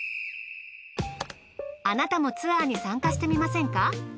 あなたもツアーに参加してみませんか？